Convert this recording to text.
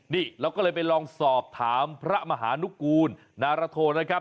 นี่เราก็เลยไปลองสอบถามพระมหานุกูลนารโทนะครับ